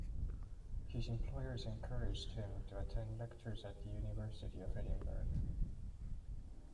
His employers encouraged him to attend lectures at the University of Edinburgh.